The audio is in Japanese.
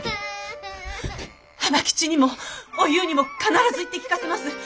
浜吉にもおゆうにも必ず言ってきかせます！